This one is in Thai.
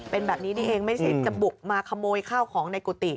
เป็นแบบนี้นี่เองไม่ใช่จะบุกมาขโมยข้าวของในกุฏิ